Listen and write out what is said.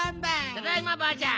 ただいまばあちゃん。